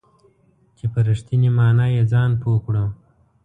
چې په رښتینې معنا یې ځان پوه کړو .